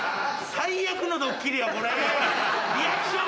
最悪のドッキリやこれ。